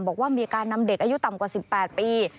บอกว่ามีการนำเด็กอายุต่ำกว่า๑๘ปี